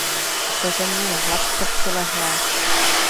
Opeření je hladce přilehlé.